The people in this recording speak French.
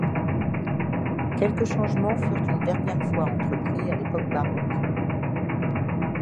Quelques changements furent une dernière fois entreprit à l'époque baroque.